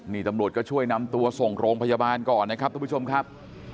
นี่ตำรวจก็ช่วยนำตัวส่งโรงพยาบาลก่อนนะครับทุกผู้ชมครับ